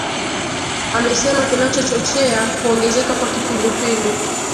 amesema kinachochochea kuongezeka kwa kipindupindu